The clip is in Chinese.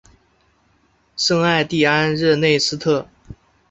圣艾蒂安拉热内斯特。